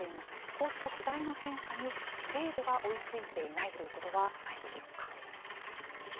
こうした時代の変化に制度が追いついていないということはないでしょうか。